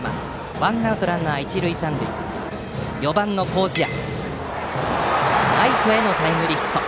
ワンアウトランナー、一塁三塁で４番の麹家がライトへのタイムリーヒット。